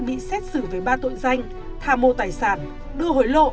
đề nghị xét xử với ba tội danh thà mua tài sản đưa hối lộ